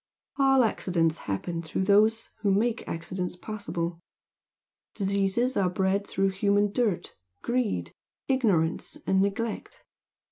All accidents happen through those who make accidents possible, diseases are bred through human dirt, greed, ignorance, and neglect.